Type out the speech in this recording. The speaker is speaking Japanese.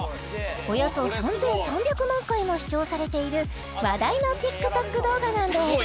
およそ３３００万回も視聴されている話題のＴｉｋＴｏｋ動画なんです